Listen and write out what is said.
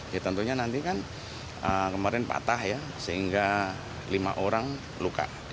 ya tentunya nanti kan kemarin patah ya sehingga lima orang luka